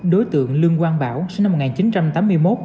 đối tượng lương quang bảo sinh năm một nghìn chín trăm tám mươi một